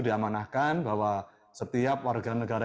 diamanahkan bahwa setiap warga negara